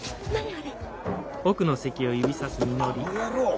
あの野郎！